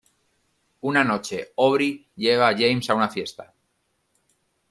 Una noche, Aubrey lleva a James a una fiesta.